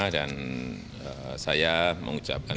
dan saya mengucapkan